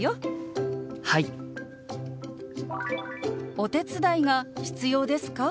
「お手伝いが必要ですか？」。